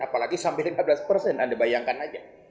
apalagi sampai lima belas persen anda bayangkan aja